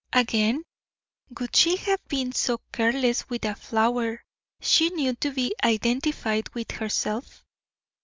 Again, would she have been so careless with a flower she knew to be identified with herself?